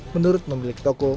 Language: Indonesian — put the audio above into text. menurut memilik toko